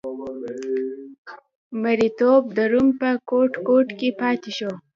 مریتوب د روم په ګوټ ګوټ کې پاتې شو.